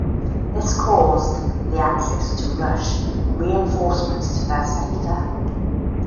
This caused the Axis to rush reinforcements to their sector.